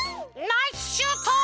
ナイスシュート！